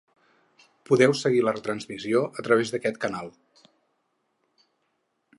Podeu seguir la retransmissió a través d’aquest canal.